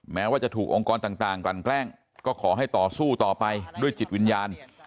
แม้ว่าจะถูกองค์กรต่างกลั่นแกล้งก็ขอให้ต่อสู้ต่อไปด้วยจิตวิญญาณ